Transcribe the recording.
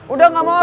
udah gak mau